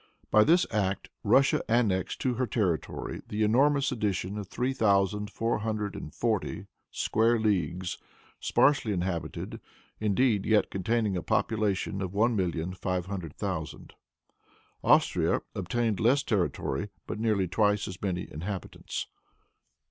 By this act, Russia annexed to her territory the enormous addition of three thousand four hundred and forty square leagues, sparsely inhabited, indeed, yet containing a population of one million five hundred thousand. Austria obtained less territory, but nearly twice as many inhabitants.